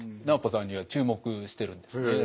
南畝さんには注目してるんですね。